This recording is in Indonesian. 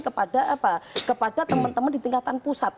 kepada teman teman di tingkatan pusat